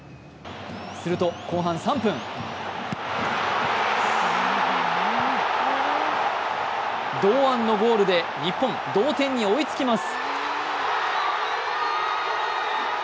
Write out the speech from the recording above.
すると後半３分、堂安のゴールで日本、同点に追いつきます。